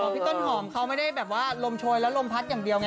อ๋อพี่ต้นหอมเขาไม่ได้โลมชโยยและโลมพัดแบบเดียวไง